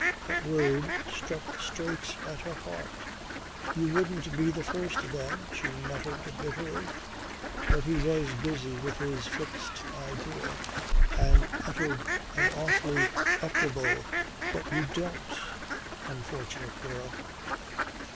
That word struck straight at her heart. "You wouldn't be the first then," she muttered bitterly. But he was busy with his fixed idea and uttered an awfully equable "But you don't! Unfortunate girl!"